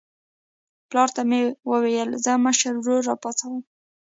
پلار ته مې وویل زه مشر ورور راپاڅوم.